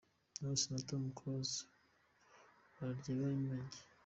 Knowless na Tom Close bo bararye bari menge.